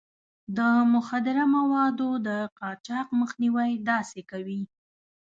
د مخدره موادو د قاچاق مخنيوی داسې کوي.